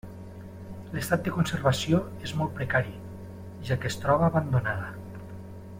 L'estat de conservació és molt precari, ja que es troba abandonada.